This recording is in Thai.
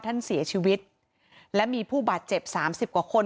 ท่านเสียชีวิตและมีผู้บาดเจ็บสามสิบกว่าคน